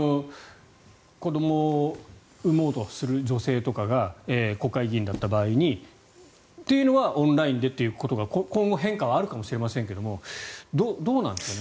子どもを産もうとする女性とかが国会議員だった場合にというのはオンラインでということが今後変化はあるかもしれませんがどうなんでしょうね。